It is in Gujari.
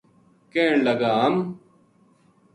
کہن لگا ہم